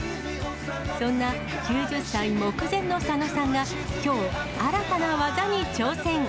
そんな９０歳目前の佐野さんがきょう、新たな技に挑戦。